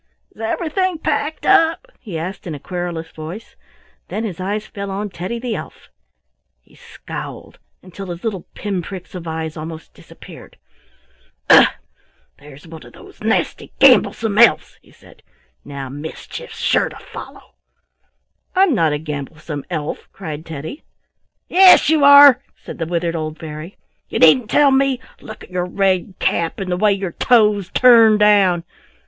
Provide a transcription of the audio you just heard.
"Is everything packed up?" he asked in a querulous voice. Then his eyes fell on Teddy the elf. He scowled until his little pin pricks of eyes almost disappeared. "Ugh! there's one of those nasty gamblesome elves," he said. "Now mischief's sure to follow." "I'm not a gamblesome elf!" cried Teddy. "Yes you are!" said the withered old fairy. "You needn't tell me! Look at your red cap and the way your toes turn down.